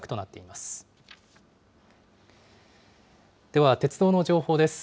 では鉄道の情報です。